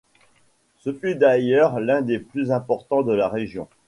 Ce fut d'ailleurs l'un des plus importants de la région.